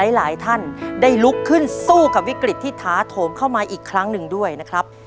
หลายท่านได้ลุกขึ้นสู้กับวิกฤตที่ท้าโถมเข้ามาอีกครั้งหนึ่งด้วยนะครับ